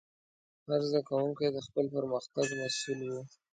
هر زده کوونکی د خپل پرمختګ مسؤل و.